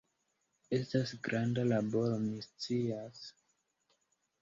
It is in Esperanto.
Estas granda laboro, mi scias.